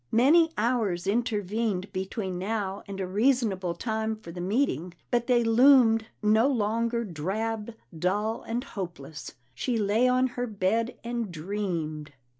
Many hours intervened between now and a reasonable time for the meeting, but they loomed no longer drab, dull, and hopeless. She lay on her bed and dreamed.